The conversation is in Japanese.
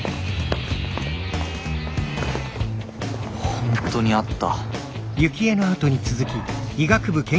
本当にあった。